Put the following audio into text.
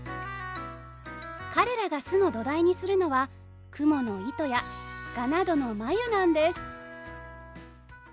彼らが巣の土台にするのはクモの糸やガなどのまゆなんです。